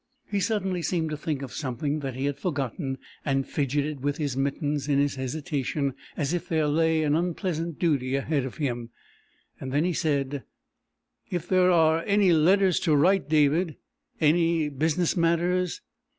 He suddenly seemed to think of something that he had forgotten and fidgeted with his mittens in his hesitation, as if there lay an unpleasant duty ahead of him. Then he said: "If there are any letters to write, David ... any business matters...."